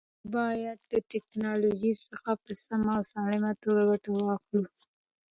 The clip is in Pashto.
موږ باید له ټیکنالوژۍ څخه په سمه او سالمه توګه ګټه واخلو.